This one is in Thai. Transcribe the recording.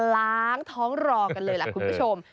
ล้างท้องรอกันเลยล่ะคุณผู้ชม